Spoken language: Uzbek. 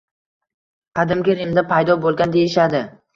Qadimgi Rimda paydo bo‘lgan, deyishadi.